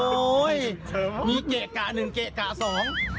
โอ้ยมีเกะกะหนึ่งเกะกะสอง